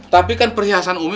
tapi kan perhiasan umi